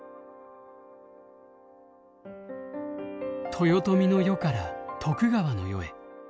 豊臣の世から徳川の世へ。